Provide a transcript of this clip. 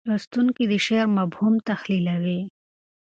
لوستونکي د شعر مفهوم تحلیلوي.